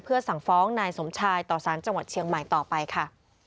สั่งฟ้องนายสมชายต่อสารจังหวัดเชียงใหม่ต่อไปค่ะ